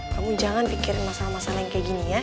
kamu jangan pikirin masalah masalah yang kayak gini ya